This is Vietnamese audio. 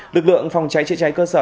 lực lượng phòng cháy chữa cháy cơ sở